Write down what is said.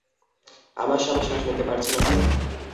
আমার স্বামী শ্বাস নিতে পারছে না, স্যার।